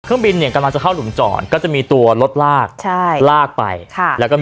เครื่องบินเนี่ยกำลังจะเข้าหลุมจอดก็จะมีตัวรถลากใช่ลากไปค่ะแล้วก็มี